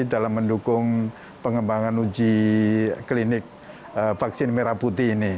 dalam mendukung pengembangan uji klinik vaksin merah putih ini